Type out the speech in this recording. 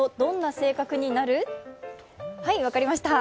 はい、分かりました。